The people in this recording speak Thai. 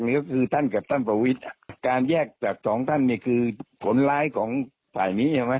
นี่ก็คือท่านกับท่านประวิษฐ์การแยกจาก๒ท่านคือขนร้ายของฝ่ายนี้